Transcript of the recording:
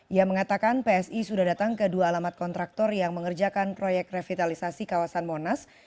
ia mengatakan psi sudah datang ke dua alamat kontraktor yang mengerjakan proyek revitalisasi kawasan monas